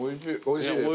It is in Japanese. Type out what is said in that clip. おいしいね。